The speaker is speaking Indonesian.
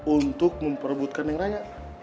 untuk memperebutkan yang raya